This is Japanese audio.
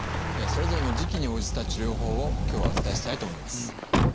それぞれの時期に応じた治療法を今日はお伝えしたいと思います。